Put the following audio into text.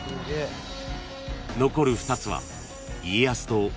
［残る２つは］